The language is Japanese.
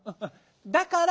「『だから』